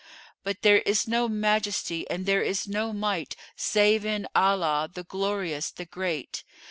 But there is no Majesty and there is no Might save in Allah, the Glorious, the Great!